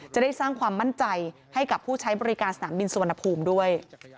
จะได้สร้างความมั่นใจให้กับผู้ใช้บริการสนามบินสุวรรณภูมิด้วย